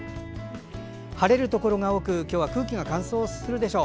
晴れるところが多く今日は空気が乾燥するでしょう。